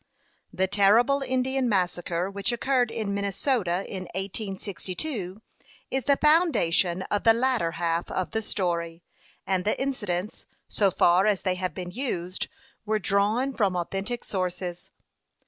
The terrible Indian massacre which occurred in Minnesota, in 1862, is the foundation of the latter half of the story; and the incidents, so far as they have been used, were drawn from authentic sources.